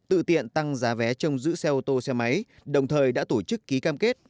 tự tiện tăng giá vé trong giữ xe ô tô xe máy đồng thời đã tổ chức ký cam kết